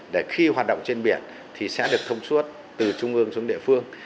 để khi hoạt động trên biển thì sẽ được thông suốt từ trung ương xuống địa phương